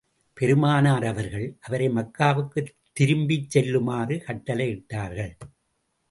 பெருமானார் அவர்கள், அவரை மக்காவுக்குத் திரும்பிச் செல்லுமாறு கட்டளையிட்டார்கள்.